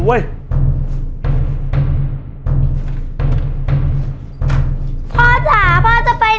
ตอนนี้โคตรหลบเลยไหมพ่อจ๋าสาหร่ะ